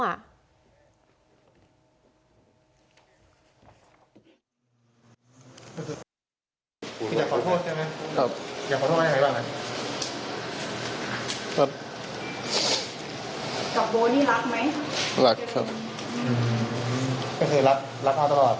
อยากขอโทษอย่างไรอยากขอโทษอะไรบ้าง